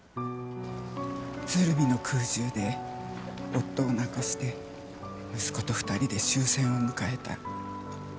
鶴見の空襲で夫を亡くして息子と２人で終戦を迎えた。